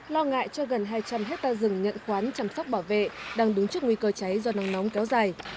lo ngại cho gần hai trăm linh hectare rừng nhận khoán chăm sóc bảo vệ đang đứng trước nguy cơ cháy do nắng nóng kéo dài